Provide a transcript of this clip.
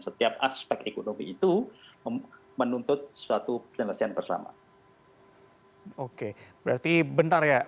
setiap aspek ekonomi itu menuntut suatu penyelesaian bersama oke berarti bentar ya